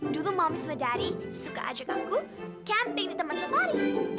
dulu mommy sama daddy suka ajak aku camping di taman safari